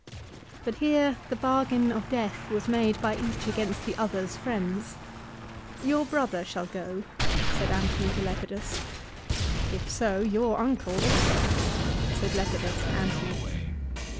But here the bargain of death was made by each against the other's friends. "Your brother shall go," said Antony to Lepidus. " If so, your uncle also," said Lepidus to Antony.